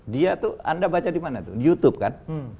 dia tuh anda baca di mana tuh di youtube kan